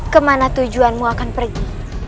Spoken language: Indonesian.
kemana tujuanmu akan pergi